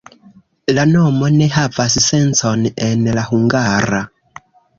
La nomo ne havas sencon en la hungara.